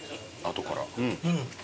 後から。